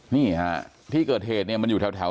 นี่ฮะที่เกิดเหตุเนี่ยมันอยู่แถว